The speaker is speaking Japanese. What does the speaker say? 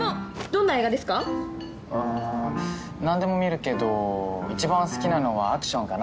うんなんでも見るけど一番好きなのはアクションかな。